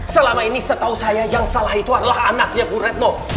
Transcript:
selama ini setahu saya yang salah itu adalah anaknya bu retno